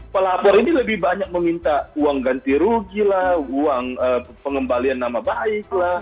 pelapor ini lebih banyak meminta uang ganti rugi lah uang pengembalian nama baik lah